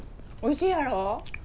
おいしいやろ？